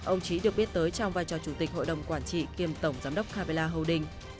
ông trí được biết tới trong vai trò chủ tịch hội đồng quản trị kiêm tổng giám đốc capella holding